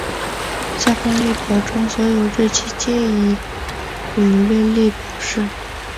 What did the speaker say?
下方列表中所有日期皆以儒略历表示。